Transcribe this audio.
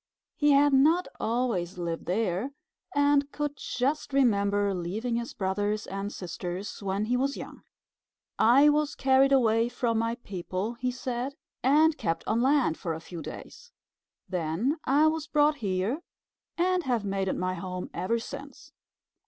He had not always lived there, and could just remember leaving his brothers and sisters when he was young. "I was carried away from my people," he said, "and kept on land for a few days. Then I was brought here and have made it my home ever since."